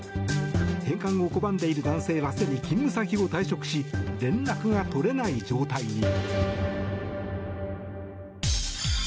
返還を拒んでいる男性はすでに勤務先を退職し連絡が取れない状態に。